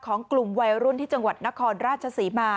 ของกลุ่มวัยรุ่นที่จังหวัดนครราชศรีมา